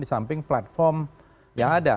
disamping platform yang ada